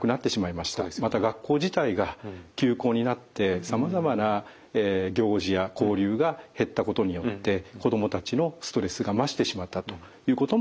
また学校自体が休校になってさまざまな行事や交流が減ったことによって子どもたちのストレスが増してしまったということも考えられます。